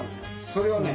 それをね